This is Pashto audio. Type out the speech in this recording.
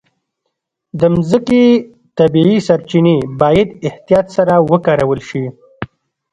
د مځکې طبیعي سرچینې باید احتیاط سره وکارول شي.